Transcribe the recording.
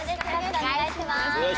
お願いします。